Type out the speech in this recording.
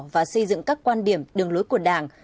và xây dựng các quan điểm đường lối của đảng